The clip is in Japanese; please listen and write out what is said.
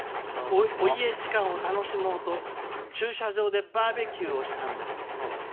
お家時間を楽しもうと駐車場でバーベキューをしたんです」。